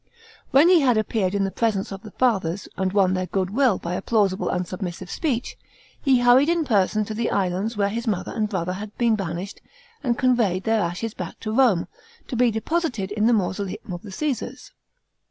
When he had appeared in the presence of the fathers and won their goodwill by a plausible and submissive speech, he hurried in person to the islands where his mother and brother had been banished and con 37 A.D POPULARITY OF THE NEW REIGN. 217 veyed their ashes back to Rome, to be deposited in the mausoleum of the Caesars.